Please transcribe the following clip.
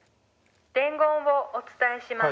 伝言をお伝えします。